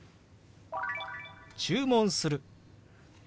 注文する。